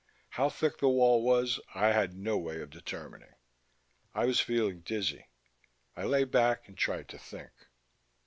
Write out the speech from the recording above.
How thick the wall was I had no way of determining. I was feeling dizzy. I lay back and tried to think....